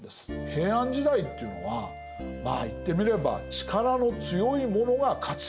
平安時代っていうのはまあ言ってみれば力の強い者が勝つ。